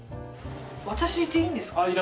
私、いていいんですか？